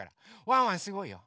ワンワンすごいよ。